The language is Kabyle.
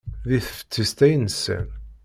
Deg teftist ay nsan.